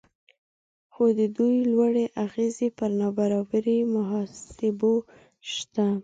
خو د دوی لوړې اغیزې پر نابرابرۍ محاسبو شته